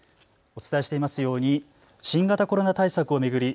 お伝えしていますように新型コロナ対策を巡り